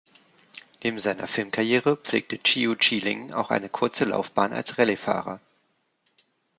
Neben seiner Filmkarriere pflegte Chiu Chi Ling auch eine kurze Laufbahn als Rallye-Fahrer.